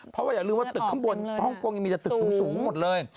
เพราะว่าอย่าลืมว่าตึกข้างบนฮ่องกงยังมีแต่ตึกสูงหมดเลย